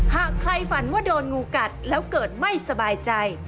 หากใครฝันว่าโดนงูกัดแล้วเกิดไม่สบายใจ